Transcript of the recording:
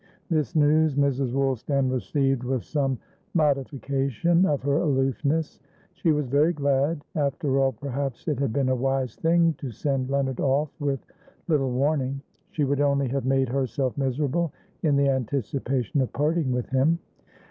This news Mrs. Woolstan received with some modification of her aloofness; she was very glad; after all, perhaps it had been a wise thing to send Leonard off with little warning; she would only have made herself miserable in the anticipation of parting with him.